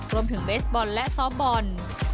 รวมถึงเวสบอลและซอฟต์บอล